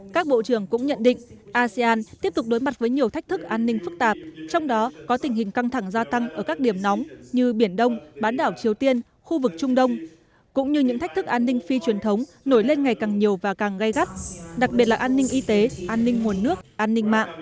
các bộ trưởng cũng nhận định asean tiếp tục đối mặt với nhiều thách thức an ninh phức tạp trong đó có tình hình căng thẳng gia tăng ở các điểm nóng như biển đông bán đảo triều tiên khu vực trung đông cũng như những thách thức an ninh phi truyền thống nổi lên ngày càng nhiều và càng gây gắt đặc biệt là an ninh y tế an ninh nguồn nước an ninh mạng